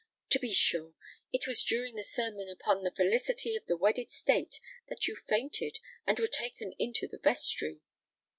To be sure! it was during the sermon upon the felicity of the wedded state, that you fainted and were taken into the vestry!"